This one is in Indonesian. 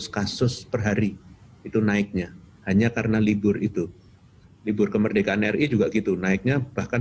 kasus perhari itu naiknya hanya karena libur itu libur kemerdekaan ri juga gitu naiknya bahkan